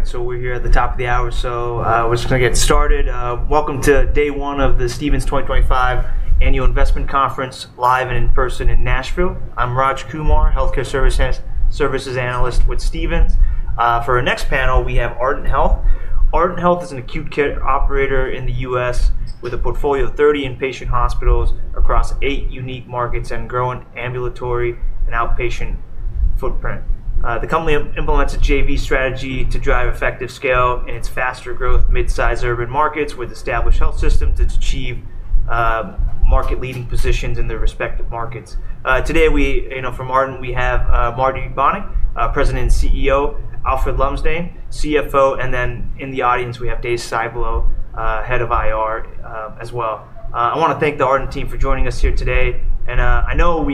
All right, so we're here at the top of the hour, so we're just going to get started. Welcome to Day One of the Stephens 2025 Annual Investment Conference, live and in person in Nashville. I'm Raj Kumar, Healthcare Services Analyst with Stephens. For our next panel, we have Ardent Health. Ardent Health is an acute care operator in the U.S. with a portfolio of 30 inpatient hospitals across eight unique markets and a growing ambulatory and outpatient footprint. The company implements a JV strategy to drive effective scale in its faster growth mid-size urban markets with established health systems to achieve market-leading positions in their respective markets. Today, from Ardent, we have Marty Bonick, President and CEO; Alfred Lumsdaine, CFO; and then in the audience, we have Dave Styblo, Head of IR as well. I want to thank the Ardent team for joining us here today. I know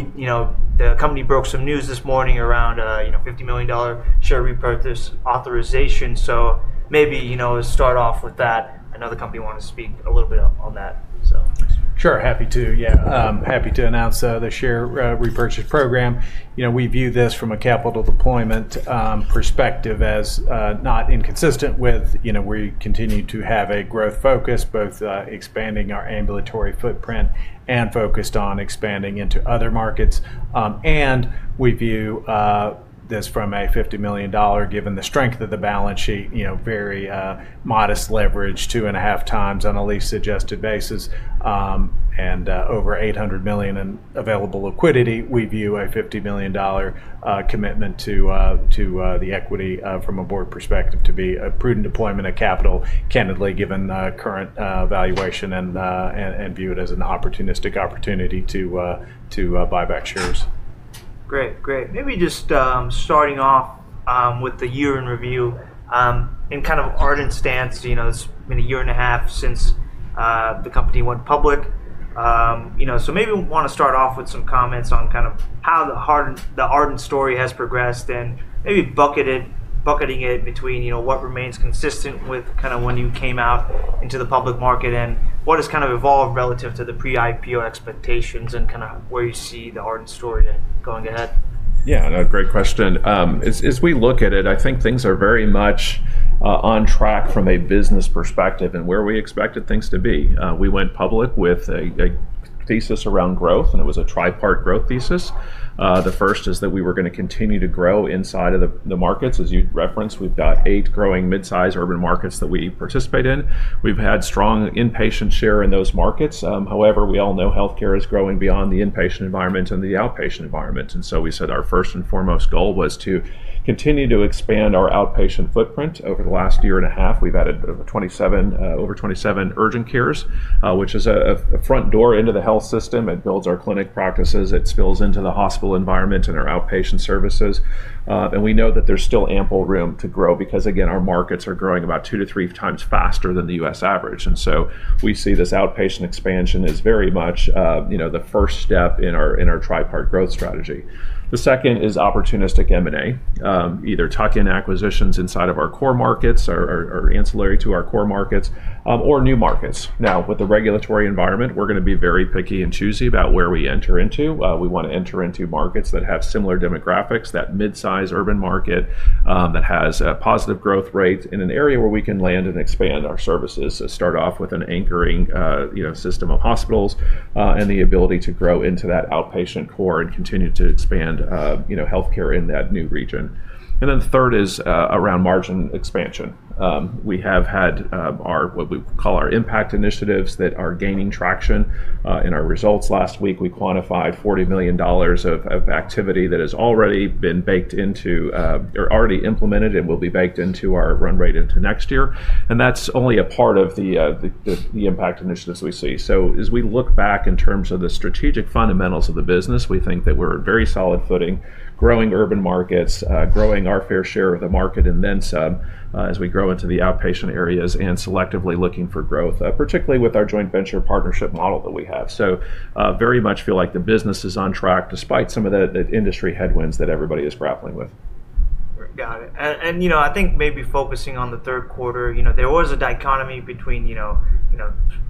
the company broke some news this morning around a $50 million share repurchase authorization, so maybe start off with that. I know the company wanted to speak a little bit on that. Sure, happy to announce the share repurchase program. We view this from a capital deployment perspective as not inconsistent with where you continue to have a growth focus, both expanding our ambulatory footprint and focused on expanding into other markets. We view this from a $50 million, given the strength of the balance sheet, very modest leverage, two and a half times on a lease suggested basis, and over $800 million in available liquidity. We view a $50 million commitment to the equity from a board perspective to be a prudent deployment of capital, candidly, given current valuation, and view it as an opportunistic opportunity to buy back shares. Great. Maybe just starting off with the year in review and kind of Ardent's stance, it's been a year and a half since the company went public. Maybe we want to start off with some comments on kind of how the Ardent story has progressed and maybe bucketing it between what remains consistent with kind of when you came out into the public market and what has kind of evolved relative to the pre-IPO expectations and kind of where you see the Ardent story going ahead. Yeah, great question. As we look at it, I think things are very much on track from a business perspective and where we expected things to be. We went public with a thesis around growth, and it was a tri-part growth thesis. The first is that we were going to continue to grow inside of the markets. As you referenced, we've got eight growing mid-size urban markets that we participate in. We've had strong inpatient share in those markets. However, we all know healthcare is growing beyond the inpatient environment and the outpatient environment. We said our first and foremost goal was to continue to expand our outpatient footprint. Over the last year and a half, we've added over 27 urgent cares, which is a front door into the health system. It builds our clinic practices. It spills into the hospital environment and our outpatient services. We know that there's still ample room to grow because, again, our markets are growing about two to three times faster than the U.S. average. We see this outpatient expansion is very much the first step in our tri-part growth strategy. The second is opportunistic M&A, either tuck-in acquisitions inside of our core markets or ancillary to our core markets or new markets. Now, with the regulatory environment, we're going to be very picky and choosy about where we enter into. We want to enter into markets that have similar demographics, that mid-size urban market that has positive growth rates in an area where we can land and expand our services, start off with an anchoring system of hospitals and the ability to grow into that outpatient core and continue to expand healthcare in that new region. Third is around margin expansion. We have had what we call our impact initiatives that are gaining traction in our results. Last week, we quantified $40 million of activity that has already been baked into or already implemented and will be baked into our run rate into next year. That is only a part of the impact initiatives we see. As we look back in terms of the strategic fundamentals of the business, we think that we are on very solid footing, growing urban markets, growing our fair share of the market and then some as we grow into the outpatient areas and selectively looking for growth, particularly with our joint venture partnership model that we have. We very much feel like the business is on track despite some of the industry headwinds that everybody is grappling with. Got it. I think maybe focusing on the third quarter, there was a dichotomy between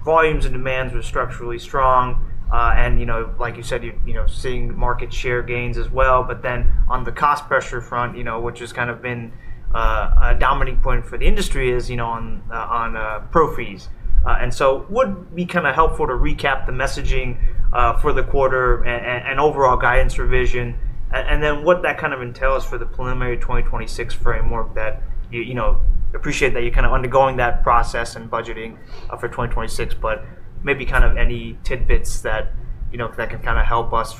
volumes and demands were structurally strong. Like you said, you're seeing market share gains as well. On the cost pressure front, which has kind of been a dominant point for the industry, is on pro fees. Would it be kind of helpful to recap the messaging for the quarter and overall guidance revision? What that kind of entails for the preliminary 2026 framework, I appreciate that you're kind of undergoing that process and budgeting for 2026, but maybe kind of any tidbits that can kind of help us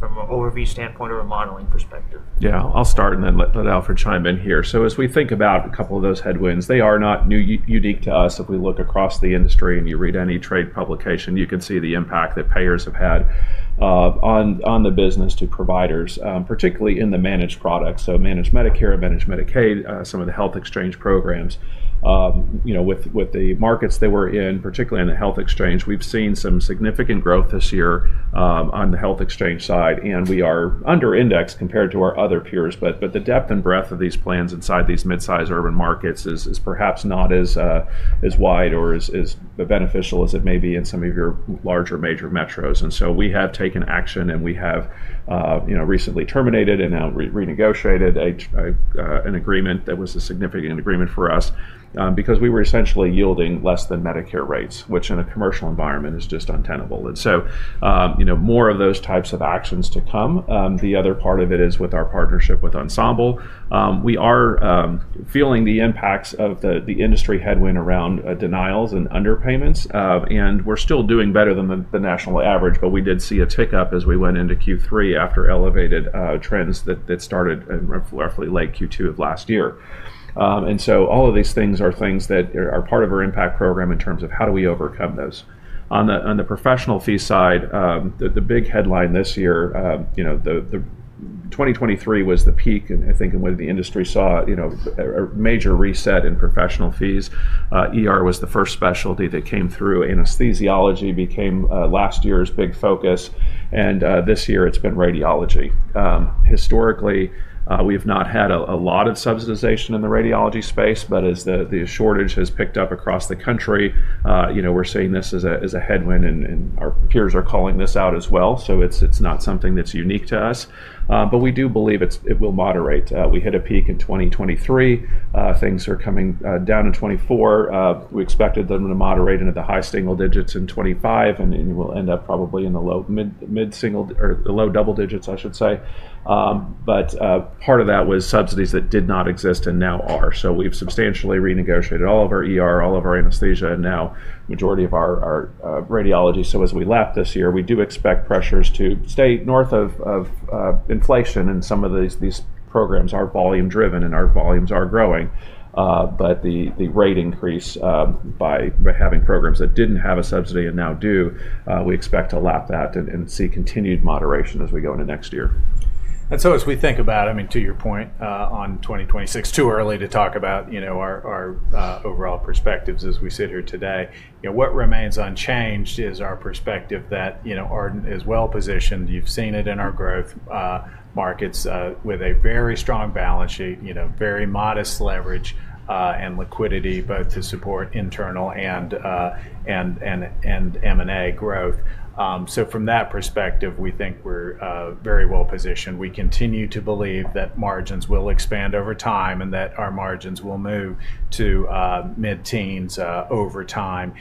from an overview standpoint or a modeling perspective. Yeah, I'll start and then let Alfred chime in here. As we think about a couple of those headwinds, they are not unique to us. If we look across the industry and you read any trade publication, you can see the impact that payers have had on the business to providers, particularly in the managed products. Managed Medicare, managed Medicaid, some of the health exchange programs. With the markets they were in, particularly in the health exchange, we've seen some significant growth this year on the health exchange side, and we are under-indexed compared to our other peers. The depth and breadth of these plans inside these mid-size urban markets is perhaps not as wide or as beneficial as it may be in some of your larger major metros. We have taken action, and we have recently terminated and now renegotiated an agreement that was a significant agreement for us because we were essentially yielding less than Medicare rates, which in a commercial environment is just untenable. More of those types of actions to come. The other part of it is with our partnership with Ensemble. We are feeling the impacts of the industry headwind around denials and underpayments, and we're still doing better than the national average, but we did see a tick up as we went into Q3 after elevated trends that started roughly late Q2 of last year. All of these things are things that are part of our impact program in terms of how do we overcome those. On the professional fee side, the big headline this year, 2023 was the peak, and I think in the way the industry saw a major reset in professional fees. Anesthesiology was the first specialty that came through. Anesthesiology became last year's big focus, and this year it's been radiology. Historically, we've not had a lot of subsidization in the radiology space, but as the shortage has picked up across the country, we're seeing this as a headwind, and our peers are calling this out as well. It is not something that's unique to us, but we do believe it will moderate. We hit a peak in 2023. Things are coming down in 2024. We expected them to moderate into the high single digits in 2025, and we'll end up probably in the low double digits, I should say. Part of that was subsidies that did not exist and now are. We've substantially renegotiated all of our anesthesia, and now majority of our radiology. As we left this year, we do expect pressures to stay north of inflation, and some of these programs are volume-driven and our volumes are growing. The rate increase by having programs that did not have a subsidy and now do, we expect to lap that and see continued moderation as we go into next year. As we think about, I mean, to your point on 2026, too early to talk about our overall perspectives as we sit here today. What remains unchanged is our perspective that Ardent Health is well positioned. You've seen it in our growth markets with a very strong balance sheet, very modest leverage and liquidity, both to support internal and M&A growth. From that perspective, we think we're very well positioned. We continue to believe that margins will expand over time and that our margins will move to mid-teens over time.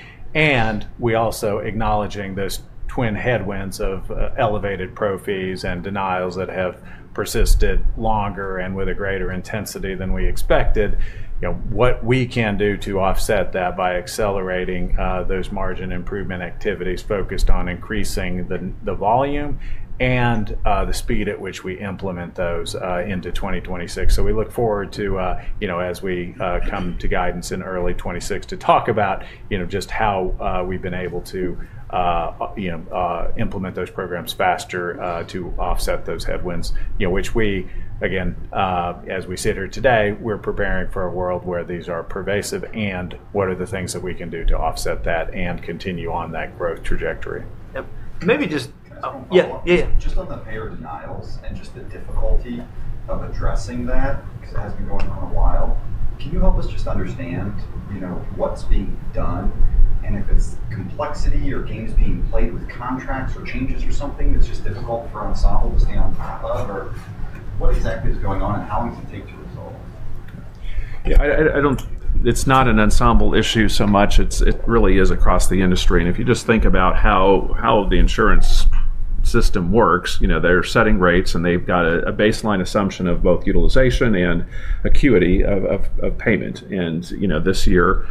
We also acknowledge those twin headwinds of elevated pro fees and denials that have persisted longer and with a greater intensity than we expected. What we can do to offset that by accelerating those margin improvement activities focused on increasing the volume and the speed at which we implement those into 2026. We look forward to, as we come to guidance in early 2026, to talk about just how we've been able to implement those programs faster to offset those headwinds, which we, again, as we sit here today, we're preparing for a world where these are pervasive and what are the things that we can do to offset that and continue on that growth trajectory. Yep. Maybe just. Yeah, yeah. Just on the payer denials and just the difficulty of addressing that because it has been going on a while, can you help us just understand what's being done and if it's complexity or games being played with contracts or changes or something that's just difficult for Ensemble to stay on top of? What exactly is going on and how we can take to resolve? Yeah, it's not an Ensemble issue so much. It really is across the industry. If you just think about how the insurance system works, they're setting rates and they've got a baseline assumption of both utilization and acuity of payment. This year,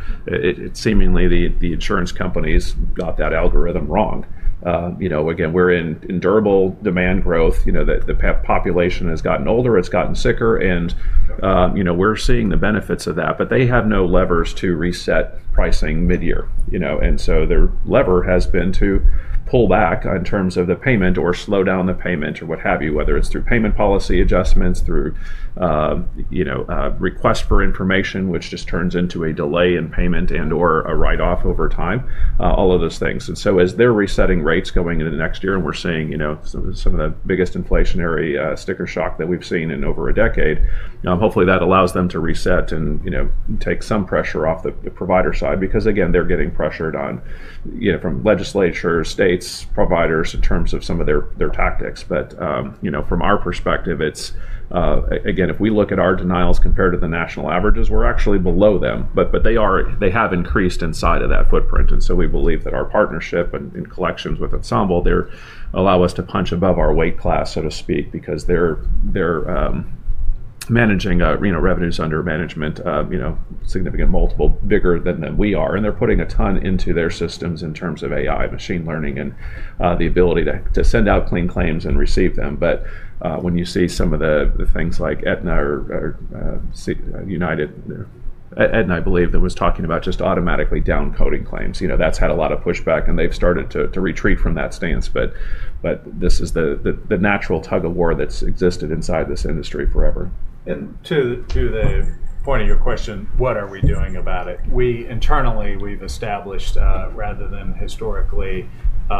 seemingly the insurance companies got that algorithm wrong. Again, we're in durable demand growth. The population has gotten older, it's gotten sicker, and we're seeing the benefits of that, but they have no levers to reset pricing mid-year. Their lever has been to pull back in terms of the payment or slow down the payment or what have you, whether it's through payment policy adjustments, through request for information, which just turns into a delay in payment and/or a write-off over time, all of those things. As they're resetting rates going into next year and we're seeing some of the biggest inflationary sticker shock that we've seen in over a decade, hopefully that allows them to reset and take some pressure off the provider side because, again, they're getting pressured from legislature, states, providers in terms of some of their tactics. From our perspective, again, if we look at our denials compared to the national averages, we're actually below them, but they have increased inside of that footprint. We believe that our partnership and collections with Ensemble, they allow us to punch above our weight class, so to speak, because they're managing revenues under management, significant multiple bigger than we are. They're putting a ton into their systems in terms of AI, machine learning, and the ability to send out clean claims and receive them. When you see some of the things like Aetna or United, Aetna, I believe, that was talking about just automatically downcoding claims, that's had a lot of pushback, and they've started to retreat from that stance. This is the natural tug of war that's existed inside this industry forever. To the point of your question, what are we doing about it? Internally, we have established, rather than historically,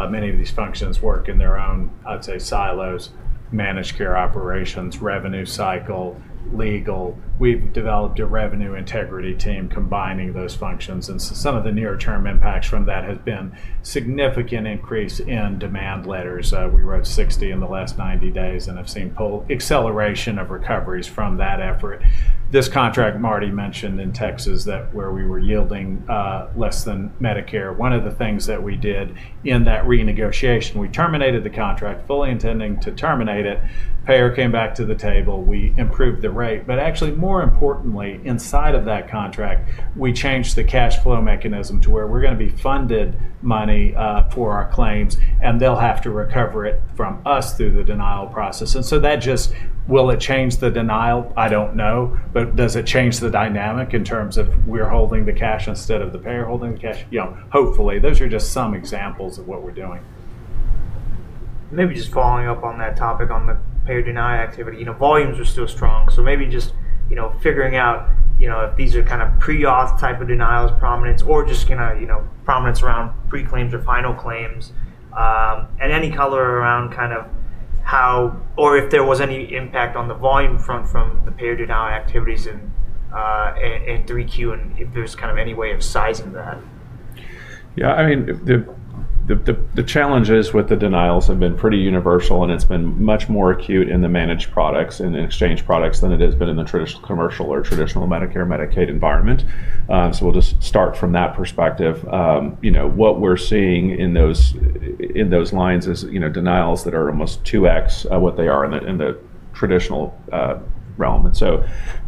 many of these functions work in their own, I would say, silos, managed care operations, revenue cycle, legal. We have developed a revenue integrity team combining those functions. Some of the near-term impacts from that have been a significant increase in demand letters. We wrote 60 in the last 90 days and have seen full acceleration of recoveries from that effort. This contract, Marty mentioned in Texas where we were yielding less than Medicare, one of the things that we did in that renegotiation, we terminated the contract fully intending to terminate it. Payer came back to the table. We improved the rate. Actually, more importantly, inside of that contract, we changed the cash flow mechanism to where we're going to be funded money for our claims, and they'll have to recover it from us through the denial process. That just, will it change the denial? I don't know. Does it change the dynamic in terms of we're holding the cash instead of the payer holding the cash? Hopefully. Those are just some examples of what we're doing. Maybe just following up on that topic on the payer deny activity, volumes are still strong. Maybe just figuring out if these are kind of pre-auth type of denials, prominence, or just kind of prominence around pre-claims or final claims and any color around kind of how or if there was any impact on the volume front from the payer denial activities in 3Q and if there's kind of any way of sizing that. Yeah, I mean, the challenges with the denials have been pretty universal, and it's been much more acute in the managed products and exchange products than it has been in the traditional commercial or traditional Medicare, Medicaid environment. We'll just start from that perspective. What we're seeing in those lines is denials that are almost 2x what they are in the traditional realm.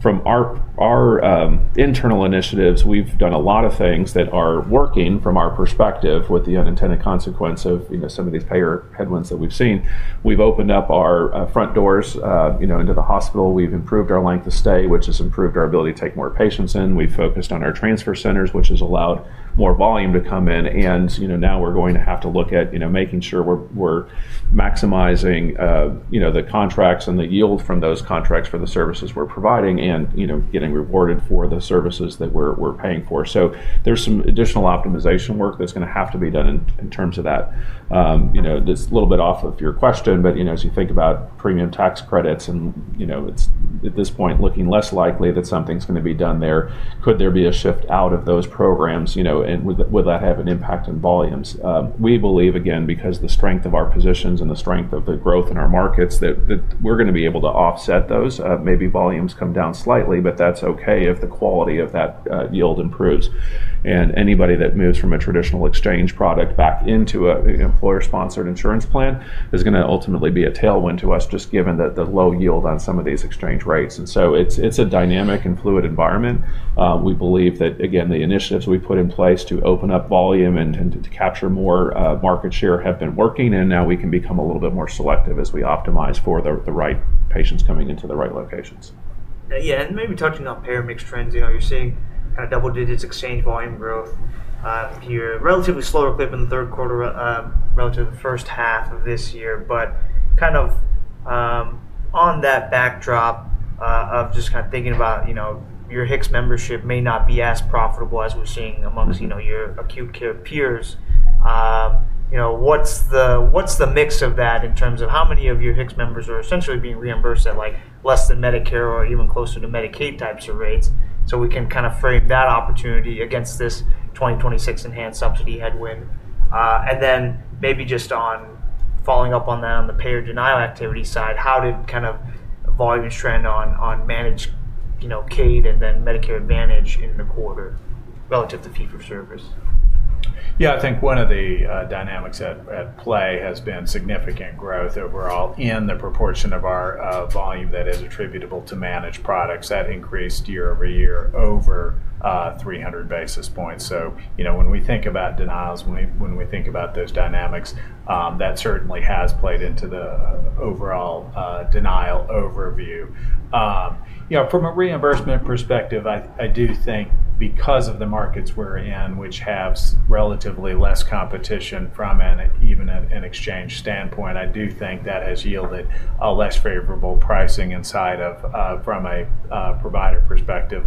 From our internal initiatives, we've done a lot of things that are working from our perspective with the unintended consequence of some of these payer headwinds that we've seen. We've opened up our front doors into the hospital. We've improved our length of stay, which has improved our ability to take more patients in. We've focused on our transfer centers, which has allowed more volume to come in. We're going to have to look at making sure we're maximizing the contracts and the yield from those contracts for the services we're providing and getting rewarded for the services that we're paying for. There's some additional optimization work that's going to have to be done in terms of that. That's a little bit off of your question, but as you think about premium tax credits, and it's at this point looking less likely that something's going to be done there. Could there be a shift out of those programs? Would that have an impact on volumes? We believe, again, because of the strength of our positions and the strength of the growth in our markets, that we're going to be able to offset those. Maybe volumes come down slightly, but that's okay if the quality of that yield improves. Anybody that moves from a traditional exchange product back into an employer-sponsored insurance plan is going to ultimately be a tailwind to us, just given the low yield on some of these exchange rates. It is a dynamic and fluid environment. We believe that, again, the initiatives we put in place to open up volume and to capture more market share have been working, and now we can become a little bit more selective as we optimize for the right patients coming into the right locations. Yeah, and maybe touching on payer mix trends, you're seeing kind of double digits exchange volume growth. You're relatively slow equipped in the third quarter relative to the first half of this year. Kind of on that backdrop of just kind of thinking about your exchange membership may not be as profitable as we're seeing amongst your acute care peers, what's the mix of that in terms of how many of your exchange members are essentially being reimbursed at less than Medicare or even closer to Medicaid types of rates? We can kind of frame that opportunity against this 2026 enhanced subsidy headwind. Maybe just on following up on that on the payer denial activity side, how did kind of volume trend on managed Medicaid and then Medicare Advantage in the quarter relative to fee for service? Yeah, I think one of the dynamics at play has been significant growth overall in the proportion of our volume that is attributable to managed products that increased year over year over 300 basis points. When we think about denials, when we think about those dynamics, that certainly has played into the overall denial overview. From a reimbursement perspective, I do think because of the markets we're in, which have relatively less competition from even an exchange standpoint, I do think that has yielded a less favorable pricing from a provider perspective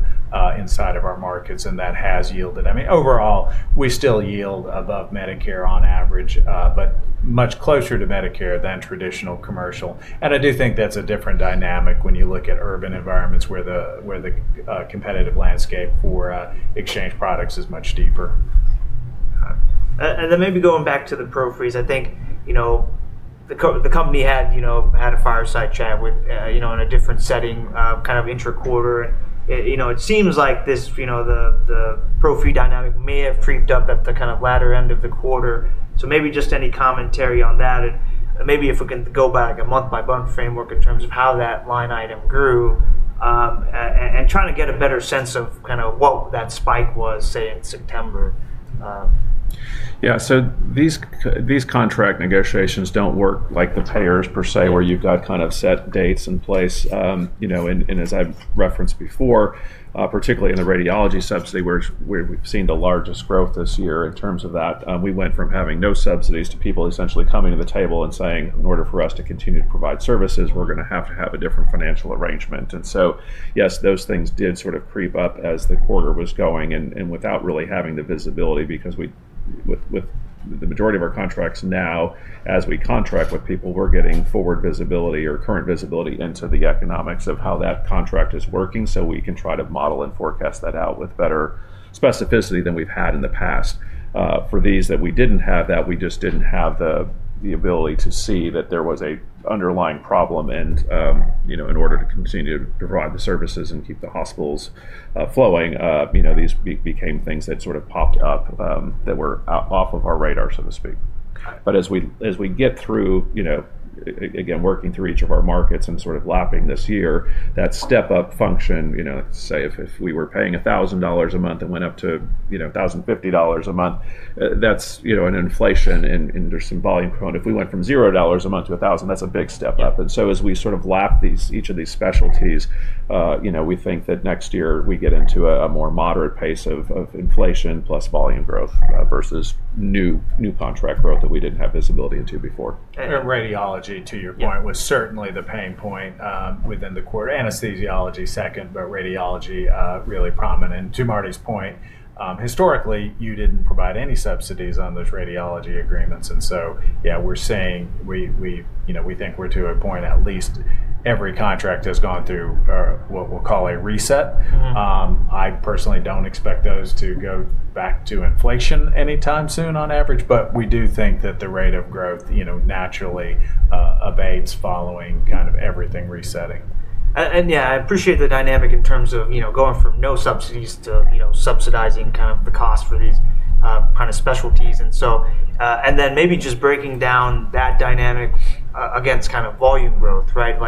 inside of our markets, and that has yielded. I mean, overall, we still yield above Medicare on average, but much closer to Medicare than traditional commercial. I do think that's a different dynamic when you look at urban environments where the competitive landscape for exchange products is much deeper. Then maybe going back to the pro fees, I think the company had a fireside chat in a different setting kind of intra quarter. It seems like the pro fee dynamic may have creeped up at the kind of latter end of the quarter. Maybe just any commentary on that. Maybe if we can go back a month by month framework in terms of how that line item grew and trying to get a better sense of kind of what that spike was, say, in September. Yeah, so these contract negotiations do not work like the payers per se, where you have got kind of set dates in place. As I have referenced before, particularly in the radiology subsidy, where we have seen the largest growth this year in terms of that, we went from having no subsidies to people essentially coming to the table and saying, "In order for us to continue to provide services, we are going to have to have a different financial arrangement." Yes, those things did sort of creep up as the quarter was going and without really having the visibility because with the majority of our contracts now, as we contract with people, we are getting forward visibility or current visibility into the economics of how that contract is working. We can try to model and forecast that out with better specificity than we have had in the past. For these that we did not have that, we just did not have the ability to see that there was an underlying problem. In order to continue to provide the services and keep the hospitals flowing, these became things that sort of popped up that were off of our radar, so to speak. As we get through, again, working through each of our markets and sort of lapping this year, that step-up function, say, if we were paying $1,000 a month and went up to $1,050 a month, that is an inflation and there is some volume component. If we went from $0 a month to $1,000, that is a big step up. As we sort of lap each of these specialties, we think that next year we get into a more moderate pace of inflation plus volume growth versus new contract growth that we did not have visibility into before. Radiology, to your point, was certainly the pain point within the quarter. Anesthesiology second, but radiology really prominent. To Marty's point, historically, you did not provide any subsidies on those radiology agreements. Yeah, we are saying we think we are to a point at least every contract has gone through what we will call a reset. I personally do not expect those to go back to inflation anytime soon on average, but we do think that the rate of growth naturally abates following kind of everything resetting. Yeah, I appreciate the dynamic in terms of going from no subsidies to subsidizing kind of the cost for these kind of specialties. Maybe just breaking down that dynamic against kind of volume growth, right?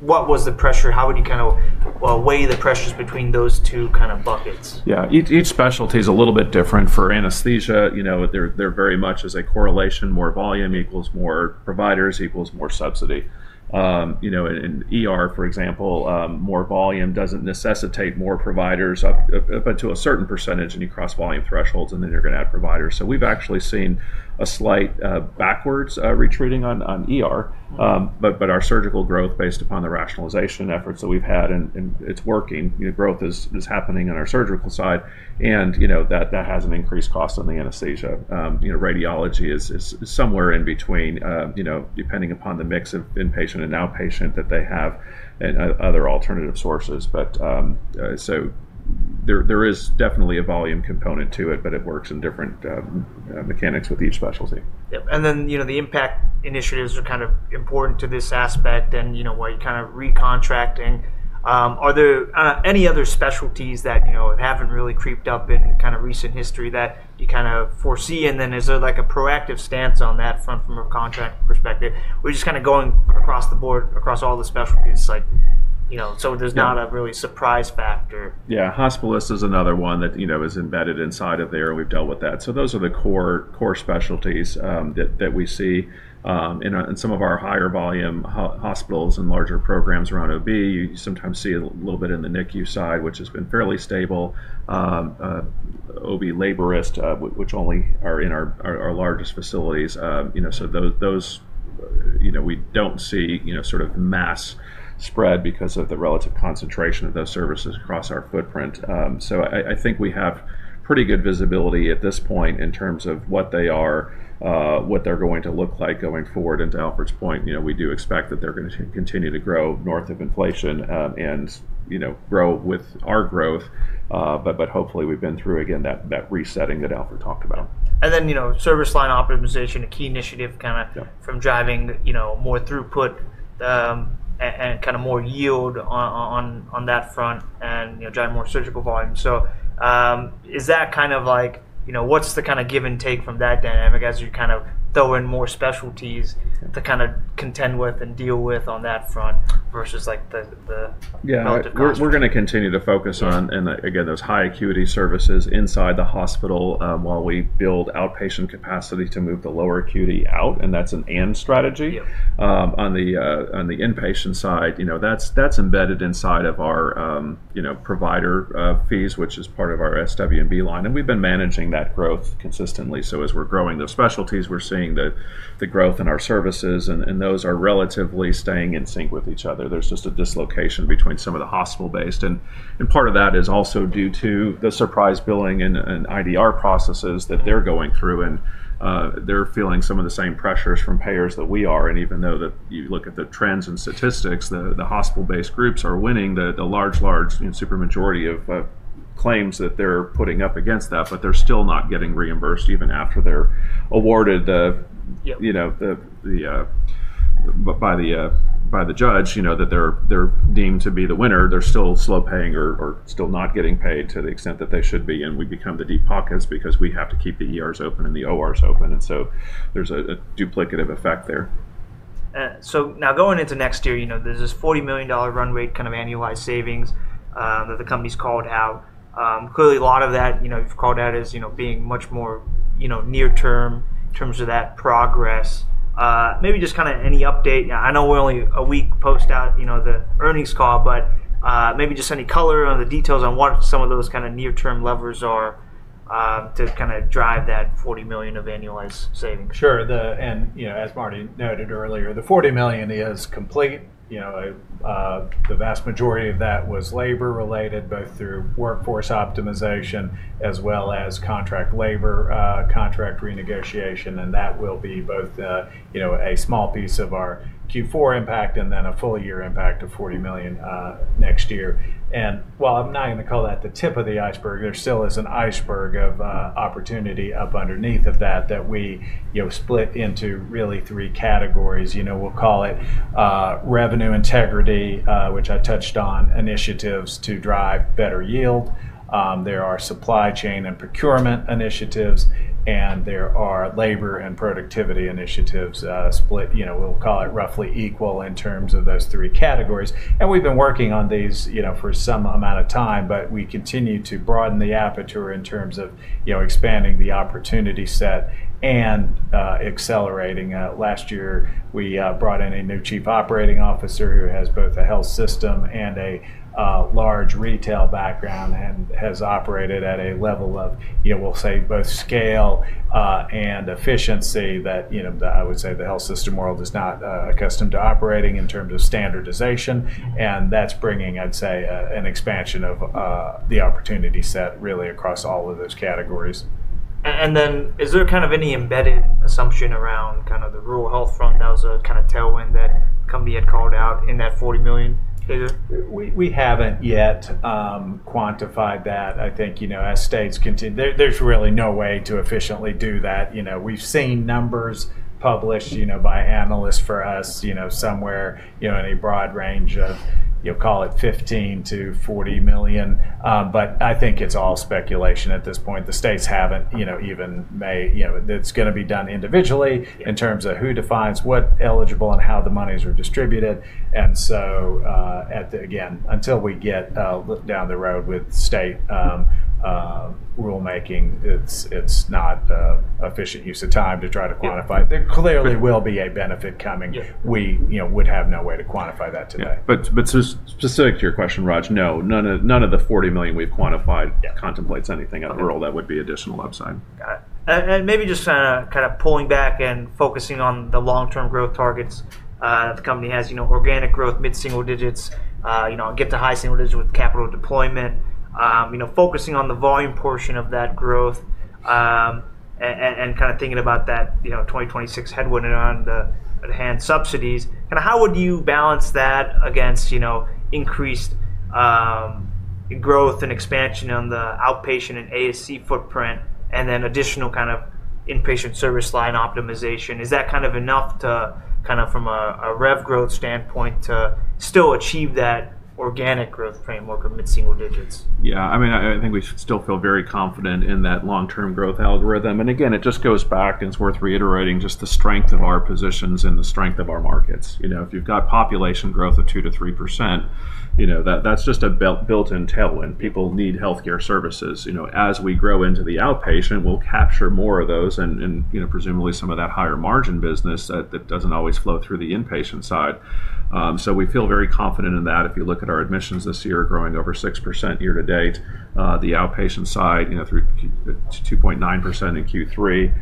What was the pressure? How would you kind of weigh the pressures between those two kind of buckets? Yeah, each specialty is a little bit different. For anesthesia, there very much is a correlation, more volume equals more providers equals more subsidy. In, for example, more volume does not necessitate more providers, but to a certain percentage, and you cross volume thresholds, and then you are going to add providers. We have actually seen a slight backwards retreating on, but our surgical growth based upon the rationalization efforts that we have had, and it is working. Growth is happening on our surgical side, and that has an increased cost on the anesthesia. Radiology is somewhere in between, depending upon the mix of inpatient and outpatient that they have and other alternative sources. There is definitely a volume component to it, but it works in different mechanics with each specialty. The impact initiatives are kind of important to this aspect and why you're kind of recontracting. Are there any other specialties that haven't really creeped up in kind of recent history that you kind of foresee? Is there like a proactive stance on that front from a contract perspective? We're just kind of going across the board, across all the specialties, so there's not a really surprise factor. Yeah, hospitalist is another one that is embedded inside of there, and we've dealt with that. Those are the core specialties that we see. In some of our higher volume hospitals and larger programs around OB, you sometimes see a little bit in the NICU side, which has been fairly stable. OB laborist, which only are in our largest facilities. Those we don't see sort of mass spread because of the relative concentration of those services across our footprint. I think we have pretty good visibility at this point in terms of what they are, what they're going to look like going forward. To Alfred's point, we do expect that they're going to continue to grow north of inflation and grow with our growth. Hopefully, we've been through, again, that resetting that Alfred talked about. Service line optimization, a key initiative kind of from driving more throughput and kind of more yield on that front and driving more surgical volume. Is that kind of like what's the kind of give and take from that dynamic as you kind of throw in more specialties to kind of contend with and deal with on that front versus the relative cost? Yeah, we're going to continue to focus on, again, those high acuity services inside the hospital while we build outpatient capacity to move the lower acuity out. That's an and strategy. On the inpatient side, that's embedded inside of our provider fees, which is part of our SWB line. We've been managing that growth consistently. As we're growing those specialties, we're seeing the growth in our services, and those are relatively staying in sync with each other. There's just a dislocation between some of the hospital-based. Part of that is also due to the surprise billing and IDR processes that they're going through, and they're feeling some of the same pressures from payers that we are. Even though you look at the trends and statistics, the hospital-based groups are winning the large, large super majority of claims that they're putting up against that, but they're still not getting reimbursed even after they're awarded by the judge that they're deemed to be the winner. They're still slow paying or still not getting paid to the extent that they should be. We become the deep pockets because we have to keep the ERs open and the ORs open. There's a duplicative effect there. Now going into next year, there's this $40 million run rate kind of annualized savings that the company's called out. Clearly, a lot of that you've called out as being much more near-term in terms of that progress. Maybe just kind of any update. I know we're only a week post out the earnings call, but maybe just any color on the details on what some of those kind of near-term levers are to kind of drive that $40 million of annualized savings. Sure. As Marty noted earlier, the $40 million is complete. The vast majority of that was labor-related, both through workforce optimization as well as contract labor contract renegotiation. That will be both a small piece of our Q4 impact and then a full year impact of $40 million next year. While I'm not going to call that the tip of the iceberg, there still is an iceberg of opportunity up underneath of that that we split into really three categories. We'll call it revenue integrity, which I touched on, initiatives to drive better yield. There are supply chain and procurement initiatives, and there are labor and productivity initiatives split. We'll call it roughly equal in terms of those three categories. We've been working on these for some amount of time, but we continue to broaden the aperture in terms of expanding the opportunity set and accelerating. Last year, we brought in a new Chief Operating Officer who has both a health system and a large retail background and has operated at a level of, we'll say, both scale and efficiency that I would say the health system world is not accustomed to operating in terms of standardization. That is bringing, I'd say, an expansion of the opportunity set really across all of those categories. Is there kind of any embedded assumption around kind of the rural health front? That was a kind of tailwind that the company had called out in that $40 million figure. We haven't yet quantified that. I think as states continue, there's really no way to efficiently do that. We've seen numbers published by analysts for us somewhere in a broad range of, call it $15 million-$40 million. I think it's all speculation at this point. The states haven't even made it clear it's going to be done individually in terms of who defines what is eligible and how the monies are distributed. Again, until we get down the road with state rulemaking, it's not an efficient use of time to try to quantify. There clearly will be a benefit coming. We would have no way to quantify that today. Specific to your question, Raj, no. None of the $40 million we've quantified contemplates anything at rural. That would be additional upside. Got it. Maybe just kind of pulling back and focusing on the long-term growth targets that the company has, organic growth, mid-single digits, get to high single digits with capital deployment, focusing on the volume portion of that growth and kind of thinking about that 2026 headwind around the hand subsidies. Kind of how would you balance that against increased growth and expansion on the outpatient and ASC footprint and then additional kind of inpatient service line optimization? Is that kind of enough to kind of from a rev growth standpoint to still achieve that organic growth framework of mid-single digits? Yeah. I mean, I think we still feel very confident in that long-term growth algorithm. And again, it just goes back, and it's worth reiterating just the strength of our positions and the strength of our markets. If you've got population growth of 2%-3%, that's just a built-in tailwind. People need healthcare services. As we grow into the outpatient, we'll capture more of those and presumably some of that higher margin business that doesn't always flow through the inpatient side. So we feel very confident in that. If you look at our admissions this year, growing over 6% year to date, the outpatient side through 2.9% in Q3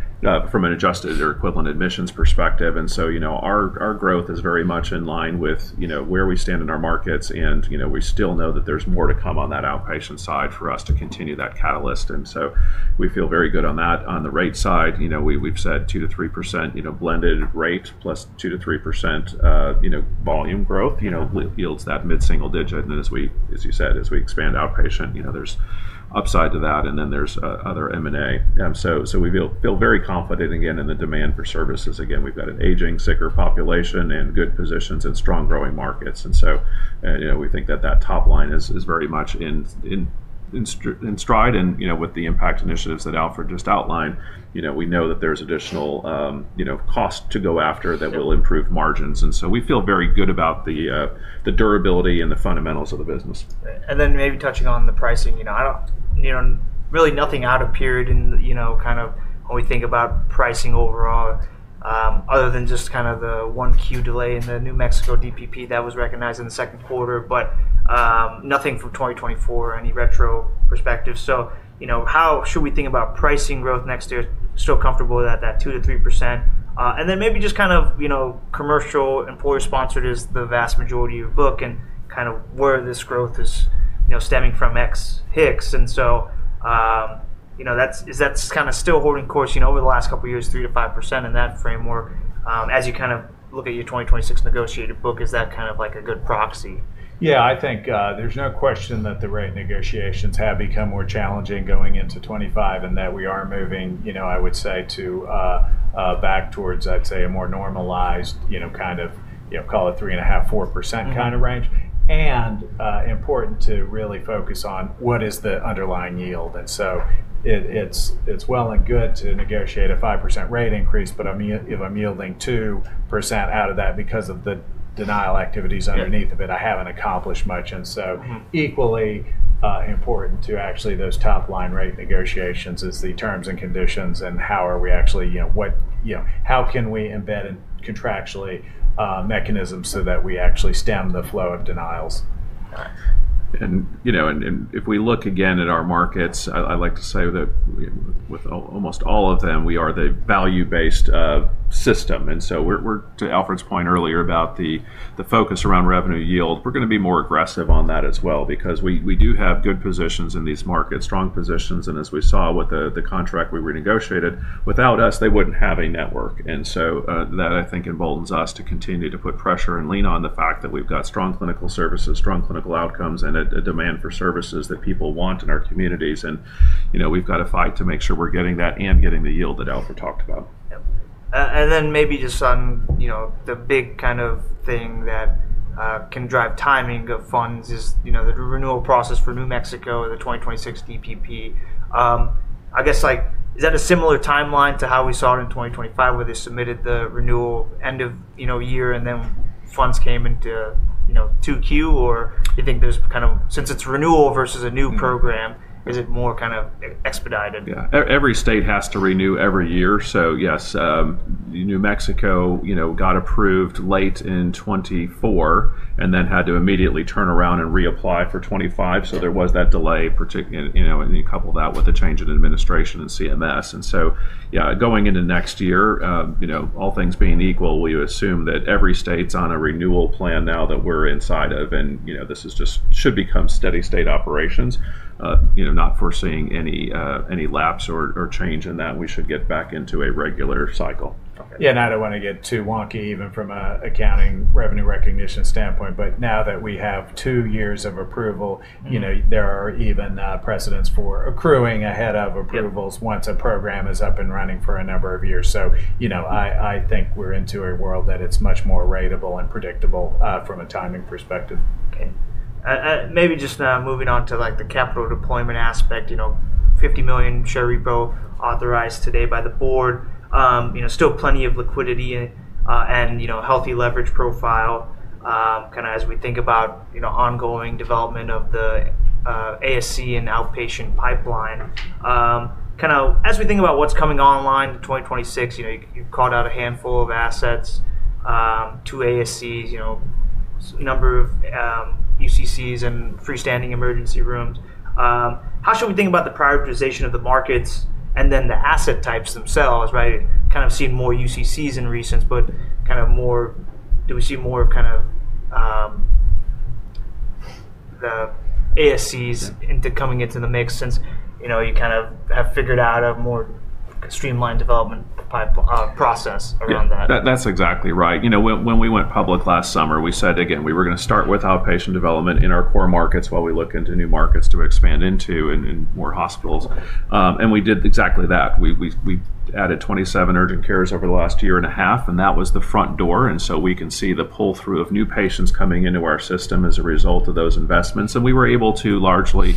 from an adjusted or equivalent admissions perspective. And so our growth is very much in line with where we stand in our markets. We still know that there's more to come on that outpatient side for us to continue that catalyst. We feel very good on that. On the rate side, we've said 2%-3% blended rate plus 2%-3% volume growth yields that mid-single digit. As you said, as we expand outpatient, there's upside to that, and then there's other M&A. We feel very confident again in the demand for services. Again, we've got an aging, sicker population and good positions and strong growing markets. We think that that top line is very much in stride. With the impact initiatives that Alfred just outlined, we know that there's additional cost to go after that will improve margins. We feel very good about the durability and the fundamentals of the business. Maybe touching on the pricing, really nothing out of period in kind of when we think about pricing overall, other than just kind of the one Q delay in the New Mexico DPP that was recognized in the second quarter, but nothing from 2024, any retro perspective. How should we think about pricing growth next year? Still comfortable with that 2%-3%. Maybe just kind of commercial employer-sponsored is the vast majority of your book and kind of where this growth is stemming from X Hicks. Is that kind of still holding course over the last couple of years, 3%-5% in that framework? As you kind of look at your 2026 negotiated book, is that kind of like a good proxy? Yeah, I think there's no question that the rate negotiations have become more challenging going into 2025 and that we are moving, I would say, back towards, I'd say, a more normalized kind of, call it 3.5%-4% kind of range. Important to really focus on what is the underlying yield. It's well and good to negotiate a 5% rate increase, but if I'm yielding 2% out of that because of the denial activities underneath of it, I haven't accomplished much. Equally important to actually those top line rate negotiations is the terms and conditions and how are we actually how can we embed contractually mechanisms so that we actually stem the flow of denials. Got it. If we look again at our markets, I like to say that with almost all of them, we are the value-based system. To Alfred's point earlier about the focus around revenue yield, we're going to be more aggressive on that as well because we do have good positions in these markets, strong positions. As we saw with the contract we renegotiated, without us, they wouldn't have a network. That, I think, emboldens us to continue to put pressure and lean on the fact that we've got strong clinical services, strong clinical outcomes, and a demand for services that people want in our communities. We've got to fight to make sure we're getting that and getting the yield that Alfred talked about. Maybe just on the big kind of thing that can drive timing of funds is the renewal process for New Mexico and the 2026 DPP. I guess, is that a similar timeline to how we saw it in 2025 where they submitted the renewal end of year and then funds came into 2Q? Or do you think there's kind of since it's renewal versus a new program, is it more kind of expedited? Yeah. Every state has to renew every year. Yes, New Mexico got approved late in 2024 and then had to immediately turn around and reapply for 2025. There was that delay, particularly couple that with the change in administration and CMS. Going into next year, all things being equal, we assume that every state's on a renewal plan now that we're inside of. This just should become steady state operations. Not foreseeing any lapse or change in that. We should get back into a regular cycle. Yeah, not I don't want to get too wonky even from an accounting revenue recognition standpoint. But now that we have two years of approval, there are even precedents for accruing ahead of approvals once a program is up and running for a number of years. So I think we're into a world that it's much more ratable and predictable from a timing perspective. Okay. Maybe just now moving on to the capital deployment aspect, $50 million share repo authorized today by the board. Still plenty of liquidity and healthy leverage profile kind of as we think about ongoing development of the ASC and outpatient pipeline. Kind of as we think about what's coming online in 2026, you've called out a handful of assets, two ASCs, a number of UCCs and freestanding emergency rooms. How should we think about the prioritization of the markets and then the asset types themselves, right? Kind of seeing more UCCs in recent, but kind of more do we see more of kind of the ASCs coming into the mix since you kind of have figured out a more streamlined development process around that? That's exactly right. When we went public last summer, we said, again, we were going to start with outpatient development in our core markets while we look into new markets to expand into and more hospitals. We did exactly that. We added 27 urgent cares over the last year and a half, and that was the front door. We can see the pull-through of new patients coming into our system as a result of those investments. We were able to largely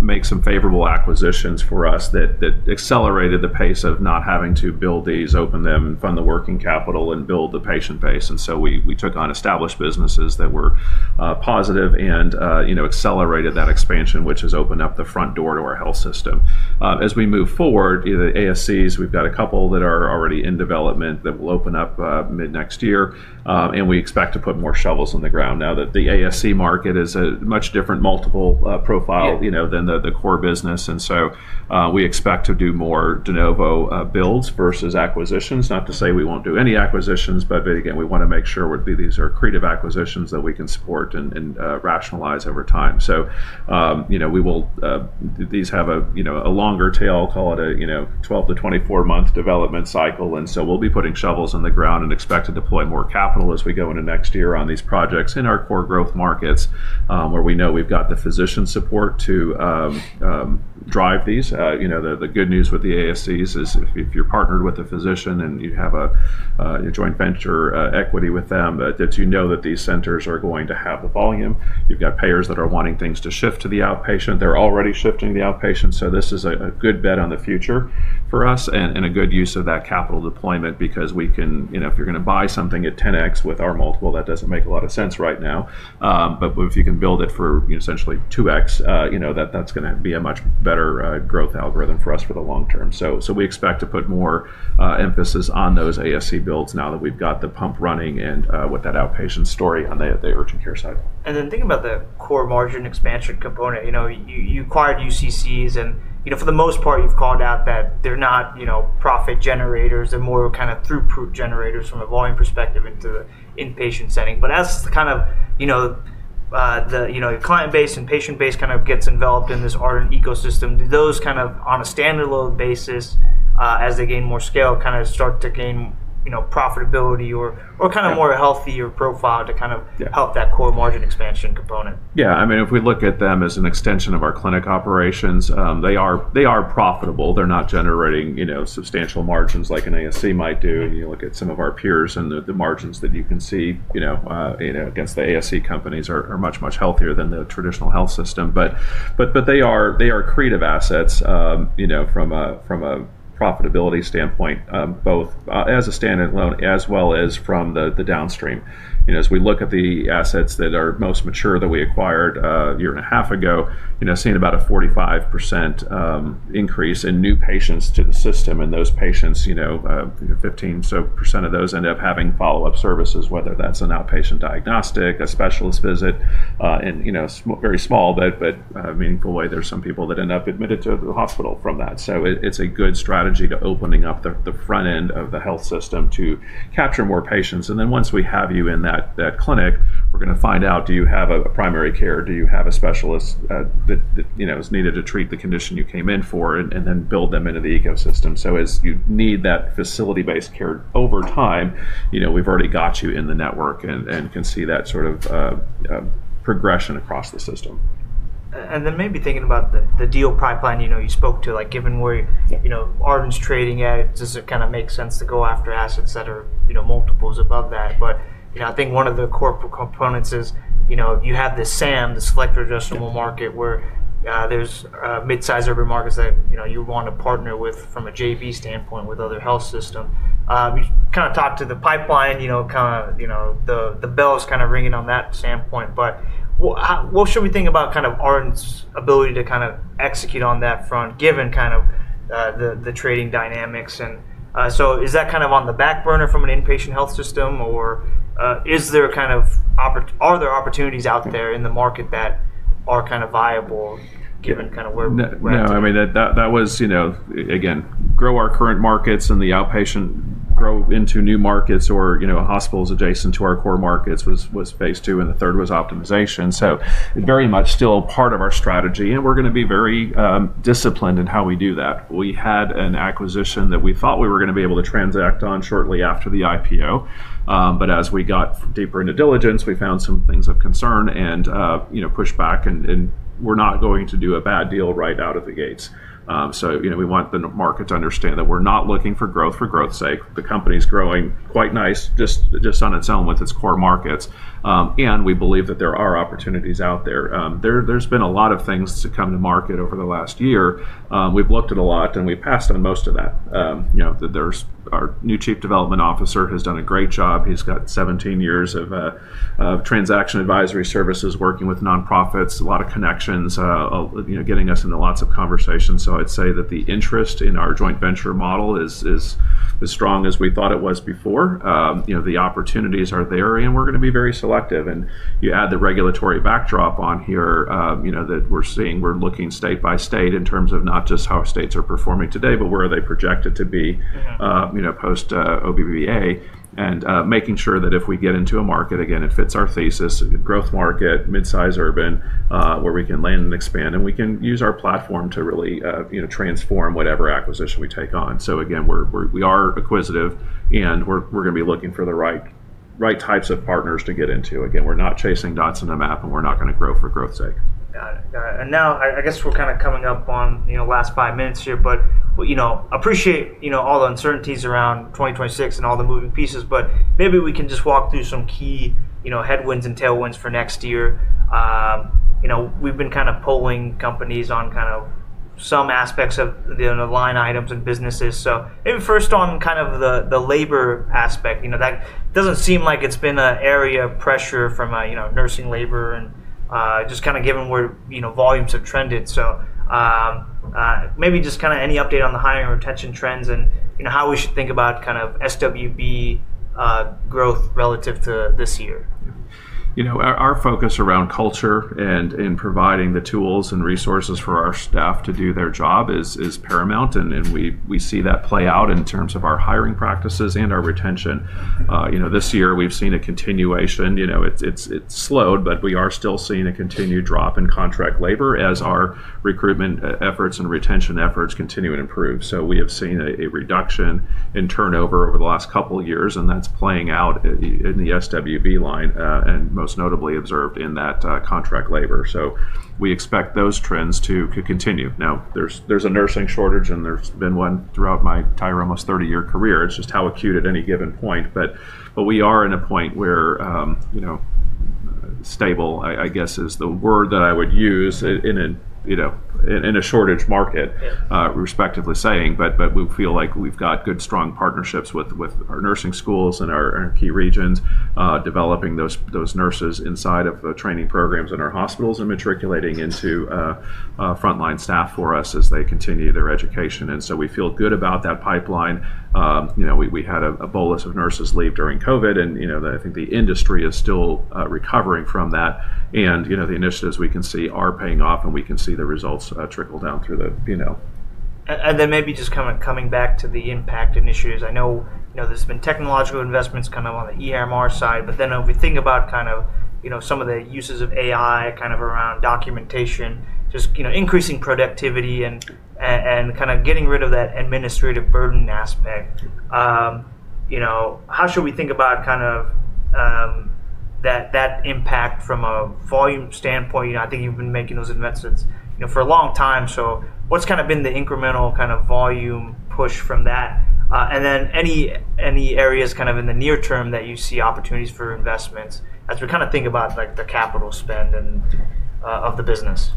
make some favorable acquisitions for us that accelerated the pace of not having to build these, open them, and fund the working capital and build the patient base. We took on established businesses that were positive and accelerated that expansion, which has opened up the front door to our health system. As we move forward, the ASCs, we've got a couple that are already in development that will open up mid-next year. We expect to put more shovels in the ground now that the ASC market is a much different multiple profile than the core business. We expect to do more de novo builds versus acquisitions. Not to say we won't do any acquisitions, but again, we want to make sure these are creative acquisitions that we can support and rationalize over time. These have a longer tail, call it a 12-24 month development cycle. We will be putting shovels in the ground and expect to deploy more capital as we go into next year on these projects in our core growth markets where we know we've got the physician support to drive these. The good news with the ASCs is if you're partnered with a physician and you have a joint venture equity with them, that you know that these centers are going to have the volume. You've got payers that are wanting things to shift to the outpatient. They're already shifting to the outpatient. This is a good bet on the future for us and a good use of that capital deployment because we can, if you're going to buy something at 10X with our multiple, that doesn't make a lot of sense right now. If you can build it for essentially 2X, that's going to be a much better growth algorithm for us for the long term. We expect to put more emphasis on those ASC builds now that we've got the pump running and with that outpatient story on the urgent care side. Thinking about the core margin expansion component, you acquired UCCs, and for the most part, you've called out that they're not profit generators. They're more kind of throughput generators from a volume perspective into the inpatient setting. As the client base and patient base kind of gets involved in this Ardent ecosystem, do those kind of on a standalone basis, as they gain more scale, kind of start to gain profitability or kind of more healthier profile to help that core margin expansion component? Yeah. I mean, if we look at them as an extension of our clinic operations, they are profitable. They're not generating substantial margins like an ASC might do. You look at some of our peers, and the margins that you can see against the ASC companies are much, much healthier than the traditional health system. They are creative assets from a profitability standpoint, both as a standalone as well as from the downstream. As we look at the assets that are most mature that we acquired a year and a half ago, seeing about a 45% increase in new patients to the system. Those patients, 15% of those end up having follow-up services, whether that's an outpatient diagnostic, a specialist visit, in a very small but meaningful way. There's some people that end up admitted to the hospital from that. It's a good strategy to opening up the front end of the health system to capture more patients. And then once we have you in that clinic, we're going to find out, do you have a primary care? Do you have a specialist that is needed to treat the condition you came in for and then build them into the ecosystem? So as you need that facility-based care over time, we've already got you in the network and can see that sort of progression across the system. Maybe thinking about the deal pipeline you spoke to, given where Ardent's trading at, does it kind of make sense to go after assets that are multiples above that? I think one of the core components is you have the SAM, the selector adjustable market, where there's midsize urban markets that you want to partner with from a JV standpoint with other health systems. You kind of talked to the pipeline, kind of the bell is kind of ringing on that standpoint. What should we think about kind of Ardent's ability to kind of execute on that front, given kind of the trading dynamics? Is that kind of on the back burner from an inpatient health system? Are there opportunities out there in the market that are kind of viable given kind of where we're at? No. I mean, that was, again, grow our current markets and the outpatient grow into new markets or hospitals adjacent to our core markets was phase two, and the third was optimization. It is very much still part of our strategy. We are going to be very disciplined in how we do that. We had an acquisition that we thought we were going to be able to transact on shortly after the IPO. As we got deeper into diligence, we found some things of concern and pushed back. We are not going to do a bad deal right out of the gates. We want the market to understand that we are not looking for growth for growth's sake. The company is growing quite nice just on its own with its core markets. We believe that there are opportunities out there. There's been a lot of things to come to market over the last year. We've looked at a lot, and we passed on most of that. Our new Chief Development Officer has done a great job. He's got 17 years of transaction advisory services working with nonprofits, a lot of connections, getting us into lots of conversations. I'd say that the interest in our joint venture model is as strong as we thought it was before. The opportunities are there, and we're going to be very selective. You add the regulatory backdrop on here that we're seeing. We're looking state by state in terms of not just how states are performing today, but where are they projected to be post-OBBA and making sure that if we get into a market, again, it fits our thesis, growth market, midsize urban, where we can land and expand. We can use our platform to really transform whatever acquisition we take on. Again, we are acquisitive, and we're going to be looking for the right types of partners to get into. Again, we're not chasing dots in the map, and we're not going to grow for growth's sake. Got it. Got it. I guess we're kind of coming up on the last five minutes here, but I appreciate all the uncertainties around 2026 and all the moving pieces, but maybe we can just walk through some key headwinds and tailwinds for next year. We've been kind of polling companies on kind of some aspects of the line items and businesses. Maybe first on kind of the labor aspect. That doesn't seem like it's been an area of pressure from nursing labor and just kind of given where volumes have trended. Maybe just kind of any update on the hiring retention trends and how we should think about kind of SWB growth relative to this year. Our focus around culture and providing the tools and resources for our staff to do their job is paramount. We see that play out in terms of our hiring practices and our retention. This year, we've seen a continuation. It has slowed, but we are still seeing a continued drop in contract labor as our recruitment efforts and retention efforts continue to improve. We have seen a reduction in turnover over the last couple of years, and that's playing out in the SWB line and most notably observed in that contract labor. We expect those trends to continue. Now, there's a nursing shortage, and there's been one throughout my entire almost 30-year career. It's just how acute at any given point. We are in a point where stable, I guess, is the word that I would use in a shortage market, respectively saying. We feel like we've got good, strong partnerships with our nursing schools and our key regions, developing those nurses inside of the training programs in our hospitals and matriculating into frontline staff for us as they continue their education. We feel good about that pipeline. We had a bolus of nurses leave during COVID, and I think the industry is still recovering from that. The initiatives we can see are paying off, and we can see the results trickle down through the. Maybe just kind of coming back to the impact initiatives. I know there's been technological investments kind of on the EMR side, but then if we think about kind of some of the uses of AI kind of around documentation, just increasing productivity and kind of getting rid of that administrative burden aspect, how should we think about kind of that impact from a volume standpoint? I think you've been making those investments for a long time. What's kind of been the incremental kind of volume push from that? Any areas kind of in the near term that you see opportunities for investments as we kind of think about the capital spend of the business?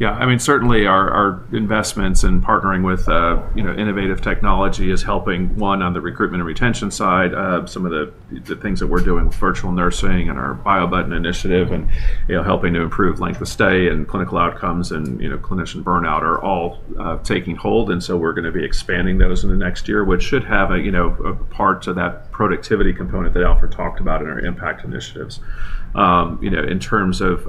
Yeah. I mean, certainly our investments and partnering with innovative technology is helping, one, on the recruitment and retention side. Some of the things that we're doing with virtual nursing and our Bio Button initiative and helping to improve length of stay and clinical outcomes and clinician burnout are all taking hold. We are going to be expanding those in the next year, which should have a part of that productivity component that Alfred talked about in our impact initiatives. In terms of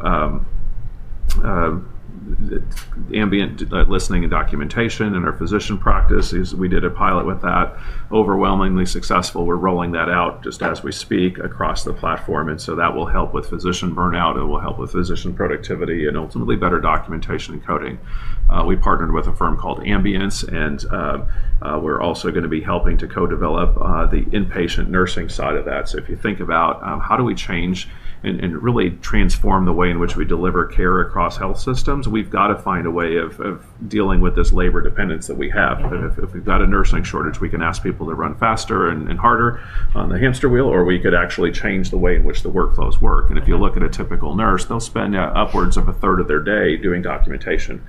ambient listening and documentation in our physician practices, we did a pilot with that. Overwhelmingly successful. We are rolling that out just as we speak across the platform. That will help with physician burnout. It will help with physician productivity and ultimately better documentation and coding. We partnered with a firm called Ambience, and we're also going to be helping to co-develop the inpatient nursing side of that. If you think about how do we change and really transform the way in which we deliver care across health systems, we've got to find a way of dealing with this labor dependence that we have. If we've got a nursing shortage, we can ask people to run faster and harder on the hamster wheel, or we could actually change the way in which the workflows work. If you look at a typical nurse, they'll spend upwards of a third of their day doing documentation.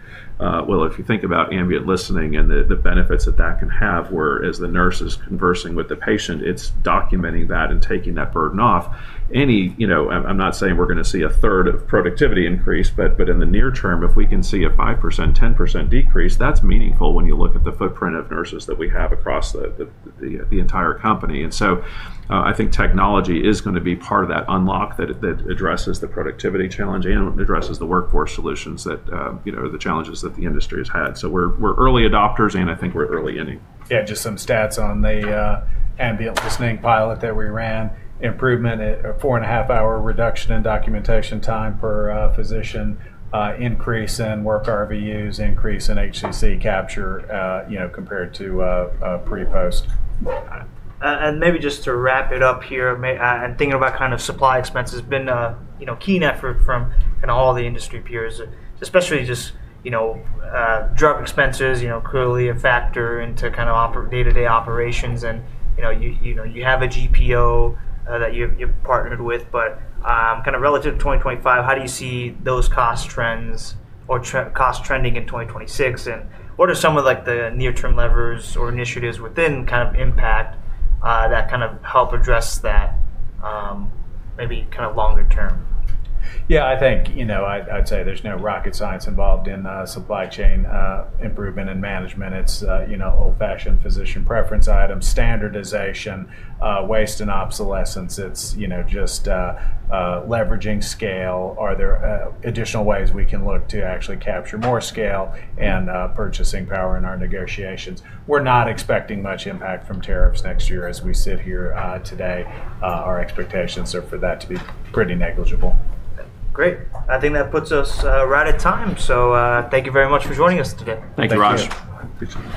If you think about ambient listening and the benefits that that can have, whereas the nurse is conversing with the patient, it's documenting that and taking that burden off. I'm not saying we're going to see a third of productivity increase, but in the near term, if we can see a 5%-10% decrease, that's meaningful when you look at the footprint of nurses that we have across the entire company. I think technology is going to be part of that unlock that addresses the productivity challenge and addresses the workforce solutions that are the challenges that the industry has had. We're early adopters, and I think we're early inning. Yeah. Just some stats on the ambient listening pilot that we ran. Improvement at a four and a half hour reduction in documentation time per physician, increase in work RVUs, increase in HCC capture compared to pre-post. Maybe just to wrap it up here, and thinking about kind of supply expenses, it's been a key network from kind of all the industry peers, especially just drug expenses. Clearly, a factor into kind of day-to-day operations. You have a GPO that you've partnered with, but kind of relative to 2025, how do you see those cost trends or cost trending in 2026? What are some of the near-term levers or initiatives within kind of impact that kind of help address that maybe kind of longer term? Yeah. I think I'd say there's no rocket science involved in supply chain improvement and management. It's old-fashioned physician preference items, standardization, waste and obsolescence. It's just leveraging scale. Are there additional ways we can look to actually capture more scale and purchasing power in our negotiations? We're not expecting much impact from tariffs next year as we sit here today. Our expectations are for that to be pretty negligible. Great. I think that puts us right at time. Thank you very much for joining us today. Thank you, Raj. Appreciate it.